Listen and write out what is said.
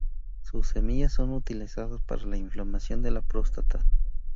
Sus semillas son utilizadas para inflamación de la próstata.